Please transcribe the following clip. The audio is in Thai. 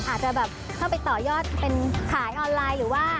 อาจจะแบบเข้าไปต่อยอดเป็นขายออนไลน์หรือว่า